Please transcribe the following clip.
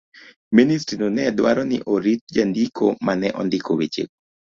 Ministrino ne dwaro ni orit jandiko ma ne ondiko wechego.